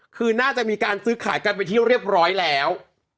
คือน่าจะมีการซื้อขายกันเป็นที่เรียบร้อยแล้ว